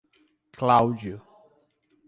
Cláudio